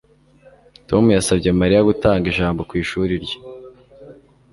Tom yasabye Mariya gutanga ijambo ku ishuri rye